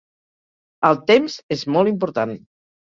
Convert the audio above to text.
El temps és molt important.